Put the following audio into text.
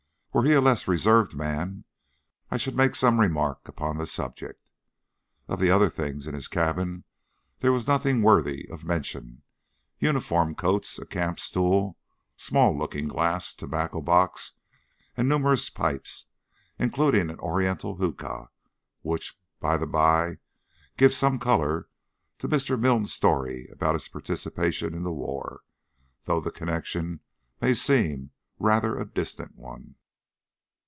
Were he a less reserved man I should make some remark upon the subject. Of the other things in his cabin there was nothing worthy of mention uniform coats, a camp stool, small looking glass, tobacco box, and numerous pipes, including an oriental hookah which, by the bye, gives some colour to Mr. Milne's story about his participation in the war, though the connection may seem rather a distant one.